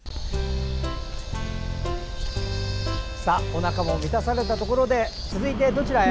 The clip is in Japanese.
おなかも満たされたところで続いてどちらへ？